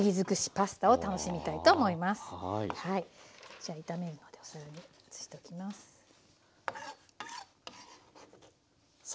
じゃあ炒めるのでお皿に移しておきます。